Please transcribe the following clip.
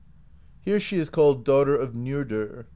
Here she is called Daughter of Njordr.